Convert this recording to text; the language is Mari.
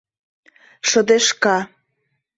Шыдешка.